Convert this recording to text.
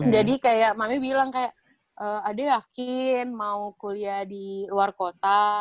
jadi kayak mami bilang kayak adek yakin mau kuliah di luar kota